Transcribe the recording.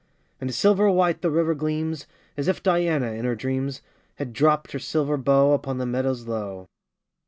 5 And silver white the river gleams, As if Diana, in her dreams, • Had dropt her silver bow Upon the meadows low.